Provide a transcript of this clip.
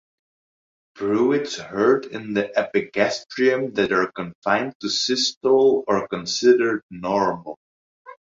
Bruits heard in the epigastrium that are confined to systole are considered normal.